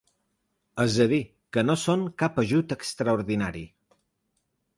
És a dir, que no són cap ajut extraordinari.